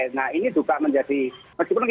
meskipun kita punya pengalaman sebelumnya